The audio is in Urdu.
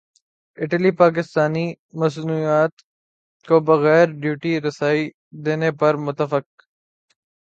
اٹلی پاکستانی مصنوعات کو بغیر ڈیوٹی رسائی دینے پر متفق